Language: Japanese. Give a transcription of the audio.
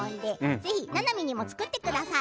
ぜひななみにも作ってください。